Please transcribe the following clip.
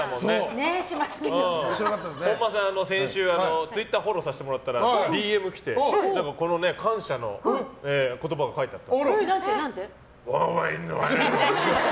本間さん、先週ツイッターをフォローさせてもらったらＤＭ来て感謝の言葉が書いてあった。